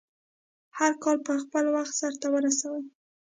هرکار په خپل وخټ سرته ورسوی